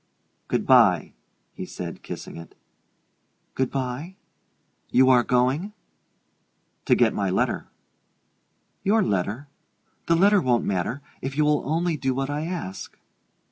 "Good by," he said, kissing it. "Good by? You are going ?" "To get my letter." "Your letter? The letter won't matter, if you will only do what I ask."